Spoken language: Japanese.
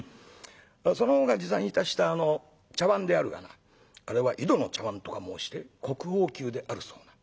そのほうが持参いたしたあの茶碗であるがなあれは井戸の茶碗とか申して国宝級であるそうな。